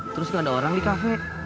terus gak ada orang di kafe